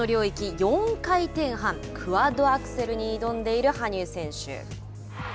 ４回転半クワッドアクセルに挑んでいる羽生選手。